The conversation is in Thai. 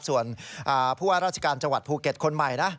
ส่วนผู้ว่าราชการจังหวัดภูเก็ตคนใหม่นะ